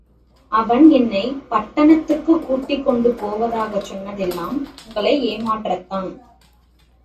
அவன் என்னைப் பட்டணத்துக்குக் கூட்டிக்கொண்டு போவதாகச் சொன்னதெல்லாம் உங்களை ஏமாற்றத்தான்.